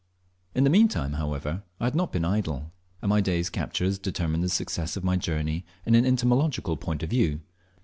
In the meantime, however, I had not been idle, and my day's captures determined the success of my journey in an entomological point of view.